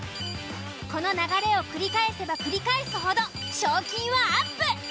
この流れを繰り返せば繰り返すほど賞金はアップ。